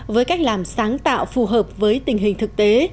với cách làm sáng tạo phù hợp với tình hình thực tế